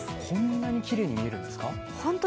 こんなにきれいに見えるんですか？